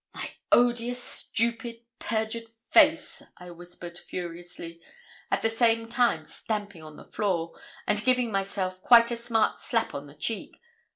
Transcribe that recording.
'My odious, stupid, perjured face' I whispered, furiously, at the same time stamping on the floor, and giving myself quite a smart slap on the cheek.